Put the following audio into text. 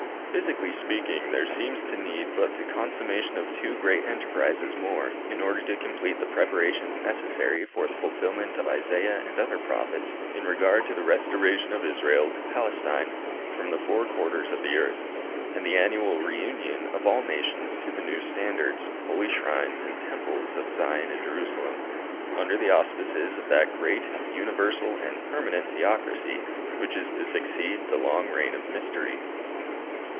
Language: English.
Physically speaking, there seems to need but the consummation of two great enterprises more, in order to complete the preparations necessary for the fulfilment of Isaiah and other Prophets, in regard to the restoration of Israel to Palestine, from the four quarters of the earth, and the annual re union of all nations to the new standards, holy shrines and temples of Zion and Jerusalem, under the auspices of that great, universal and permanent theocracy which is to succeed the long reign of mystery.